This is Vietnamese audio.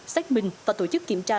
xác minh và tổ chức kiểm tra